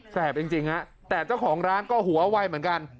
จริงฮะแต่เจ้าของร้านก็หัวไวเหมือนกัน